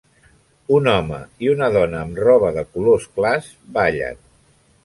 Un home i una dona amb roba de colors clars ballen.